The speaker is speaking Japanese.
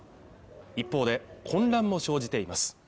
一方で混乱も生じています